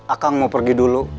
akang mau pergi dulu